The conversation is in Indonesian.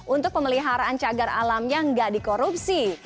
untuk pemeliharaan cagar alam yang gak dikorupsi